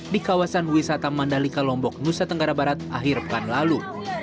di kawasan wisata mandalika lombok nusa tenggara barat akhir pekan lalu